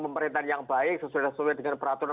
pemerintahan yang baik sesuai dengan peraturan